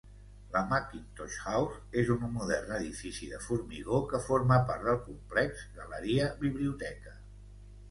La Mackintosh House és un modern edifici de formigó que forma part del complex galeria-biblioteca.